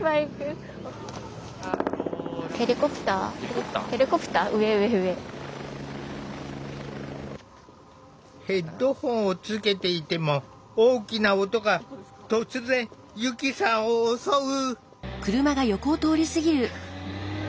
できるだけヘッドホンをつけていても大きな音が突然ゆきさんを襲う！